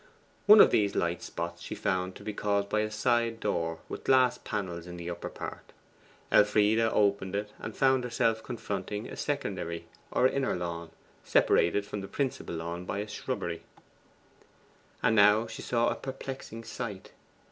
One of these light spots she found to be caused by a side door with glass panels in the upper part. Elfride opened it, and found herself confronting a secondary or inner lawn, separated from the principal lawn front by a shrubbery. And now she saw a perplexing sight.